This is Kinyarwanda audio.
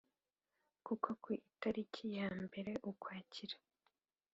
kuko ku itariki ya mbere ukwakira